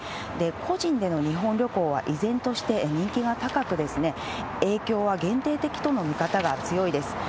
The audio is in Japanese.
個人での日本旅行は依然として人気が高く、影響は限定的との見方が強いです。